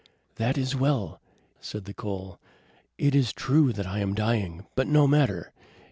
"That is well!" said the coal. "It is true that I am dying; but no matter.